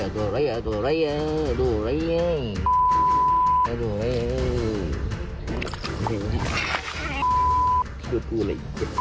ดูอะไรดูอะไรดูอะไรดูอะไรโลกดูอะไร